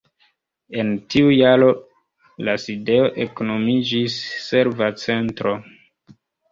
En tiu jaro la sidejo eknomiĝis "Serva Centro".